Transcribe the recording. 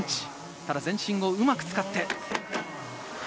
ただ全身をうまく使って。